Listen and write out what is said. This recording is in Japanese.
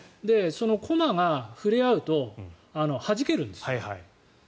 そのコマが触れ合うとはじけるんです。